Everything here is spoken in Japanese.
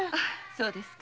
そうですか。